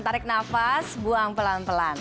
tarik nafas buang pelan pelan